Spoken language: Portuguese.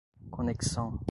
conexão